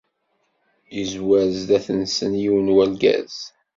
Izzwer sdat-nsen yiwen n urgaz.